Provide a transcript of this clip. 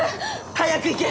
早く行け！